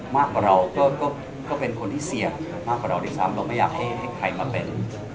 มากกว่าเราก็เป็นคนที่เสี่ยงมากกว่าเราด้วยซ้ำเราไม่อยากให้ใครมาเป็น